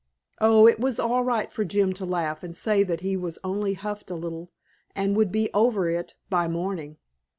Oh, it was all right for Jim to laugh and say that he was only huffed a little and would be over it by morning.